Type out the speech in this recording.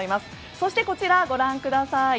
そしてこちら、ご覧ください。